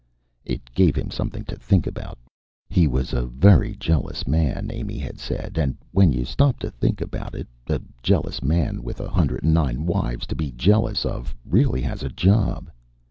It gave him something to think about. He was a very jealous man, Amy had said, and when you stop to think about it, a jealous man with a hundred and nine wives to be jealous of really has a job.